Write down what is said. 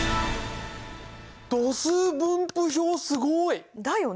度数分布表すごい！だよね。